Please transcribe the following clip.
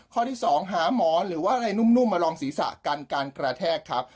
ข้อที่๒หาหมอหรือว่าอะไรนุ่มมาลองศีรษะกันการกระแทกครับ